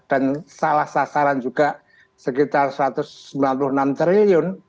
dan salah sasaran juga sekitar rp satu ratus sembilan puluh enam triliun